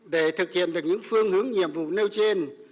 để thực hiện được những phương hướng nhiệm vụ nêu trên